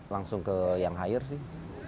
langsung ke yang hire sih